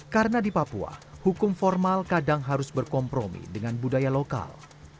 karena di papua hukum formal kadang harus berkompromi dengan budaya lokal